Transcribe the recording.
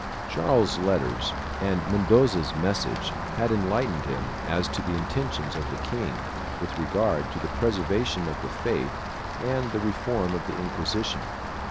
Charles's letters and Mendoza's message had enlightened him as to the intentions of the king with regard to the preservation of the faith and the reform of the Inquisition.